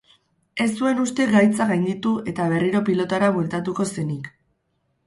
Ez zuen uste gaitza gainditu eta berriro pilotara bueltatuko zenik.